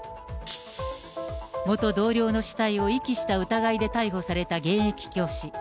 元同僚の死体を遺棄した疑いで逮捕された現役教師。